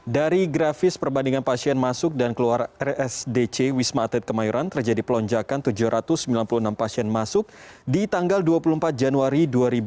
dari grafis perbandingan pasien masuk dan keluar rsdc wisma atlet kemayoran terjadi pelonjakan tujuh ratus sembilan puluh enam pasien masuk di tanggal dua puluh empat januari dua ribu dua puluh